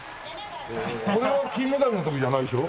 これは金メダルの時じゃないでしょ？